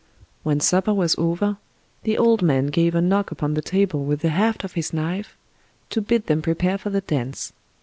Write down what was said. When supper was over, the old man gave a knock upon the table with the haft of his knife to bid them prepare for the dance.